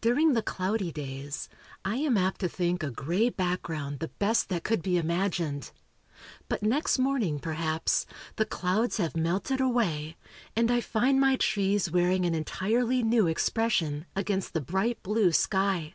During the cloudy days, I am apt to think a gray background the best that could be imagined. But next morning, perhaps, the clouds have melted away, and I find my trees wearing an entirely new expression, against the bright blue sky.